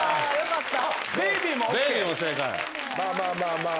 まあまあまあまあ。